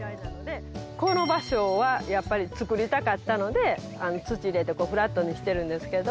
この場所はやっぱり造りたかったので土入れてフラットにしてるんですけど。